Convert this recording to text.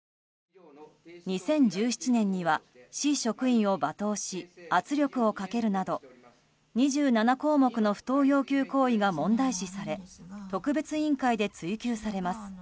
２０１７年には市職員を罵倒し圧力をかけるなど２７項目の不当要求行為が問題視され特別委員会で追及されます。